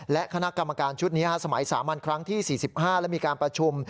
และคณะกรรมการชุดนี้สมัยสามัญครั้งที่๔๕และมีการประชุม